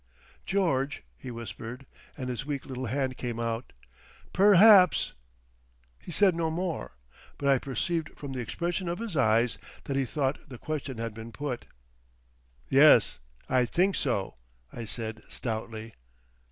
"George," he whispered, and his weak little hand came out. "Perhaps—" He said no more, but I perceived from the expression of his eyes that he thought the question had been put. "Yes, I think so;" I said stoutly.